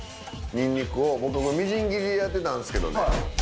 ニンニクを僕みじん切りでやってたんですけどね。